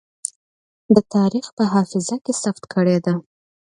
د تاريخ په حافظه کې ثبت کړې ده.